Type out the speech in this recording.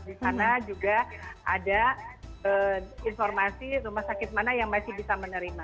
di sana juga ada informasi rumah sakit mana yang masih bisa menerima